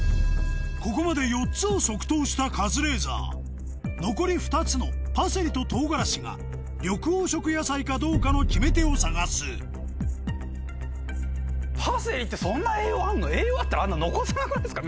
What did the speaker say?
ここまで４つを即答したカズレーザー残り２つのパセリとトウガラシが緑黄色野菜かどうかの決め手を探す栄養あったらあんな残さなくないですか？